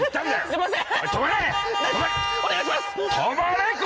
すいません。